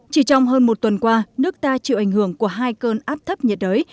chỉ trong hơn một tuần qua nước ta chịu ảnh hưởng của hai cơn áp thấp nhiệt đới